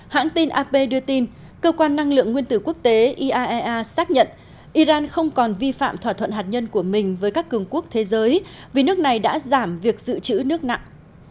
hãng tin ap đưa tin cơ quan năng lượng nguyên tử quốc tế iaea xác nhận iran không còn vi phạm thỏa thuận hạt nhân của mình với các cường quốc thế giới vì nước này đã giảm việc dự trữ nước nặng